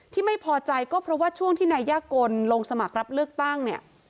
ที่ไม่พอใจก็เพราะว่าช่วงที่นายยากลลงสมัครรับเลือกตั้งเนี่ย